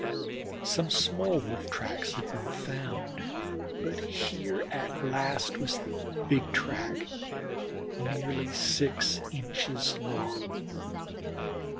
Some small Wolf tracks had been found, but here at last was the big track, nearly six inches long.